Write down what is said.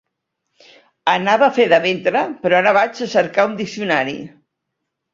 Anava a fer de ventre, però ara vaig a cercar un diccionari!